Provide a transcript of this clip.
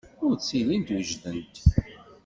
Ur ttilint wejdent.